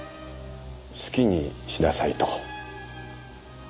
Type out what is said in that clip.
好きにしなさいと。